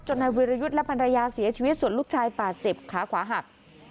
นายวิรยุทธ์และภรรยาเสียชีวิตส่วนลูกชายบาดเจ็บขาขวาหัก